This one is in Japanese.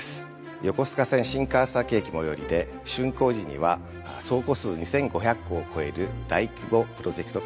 横須賀線新川崎駅最寄りで竣工時には総戸数２，５００戸を超える大規模プロジェクトとなっています。